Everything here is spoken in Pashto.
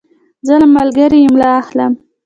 زه له ملګري املا اخلم.